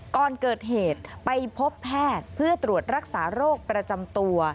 ก่อนเกิดเหตุไปพบแพทย์เพื่อตรวจรักษาโรคประจำตัว